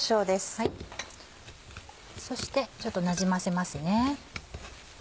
そしてちょっとなじませますね。